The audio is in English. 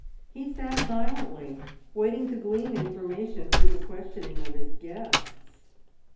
He sat silently, waiting to glean information through the questioning of his guests.